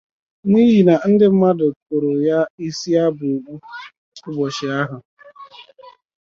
n'ihi na ndị mmadụ kụrụ ya isi aba okpu ụbọchị ahụ.